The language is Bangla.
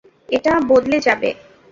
এটা বদলে যাবে।